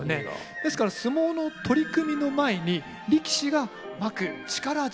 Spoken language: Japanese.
ですから相撲の取組の前に力士がまく力塩